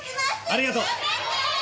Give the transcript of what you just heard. ありがとう！